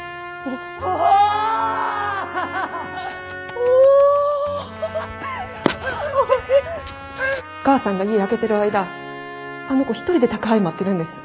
お母さんが家空けてる間あの子一人で宅配待ってるんです。